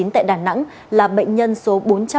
tại đà nẵng là bệnh nhân số bốn trăm một mươi sáu